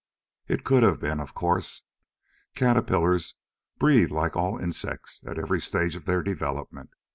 It could have been, of course. Caterpillars breathe like all insects at every stage of their development.